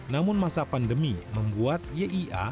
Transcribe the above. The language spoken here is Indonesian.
namun masa pandemi membuat yia